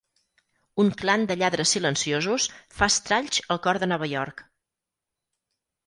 Un clan de lladres silenciosos fa estralls al cor de Nova York.